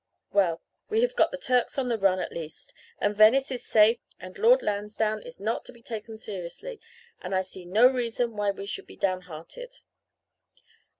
Well, we have got the Turks on the run, at least, and Venice is safe and Lord Lansdowne is not to be taken seriously; and I see no reason why we should be downhearted.'